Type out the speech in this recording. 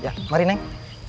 ya mari neng